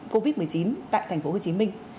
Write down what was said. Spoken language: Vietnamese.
covid một mươi chín tại thành phố hồ chí minh